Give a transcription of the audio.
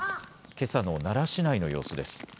けさの奈良市内の様子です。